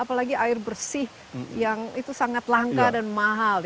apalagi air bersih yang itu sangat langka dan mahal